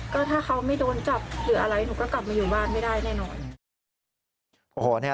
ก็ถ้าเขาไม่โดนจับหรืออะไรหนูก็กลับมาอยู่บ้านไม่ได้แน่นอน